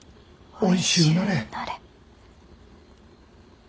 おいしゅうなれ。